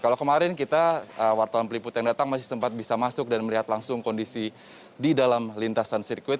kalau kemarin kita wartawan peliput yang datang masih sempat bisa masuk dan melihat langsung kondisi di dalam lintasan sirkuit